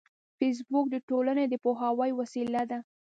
فېسبوک د ټولنې د پوهاوي وسیله ده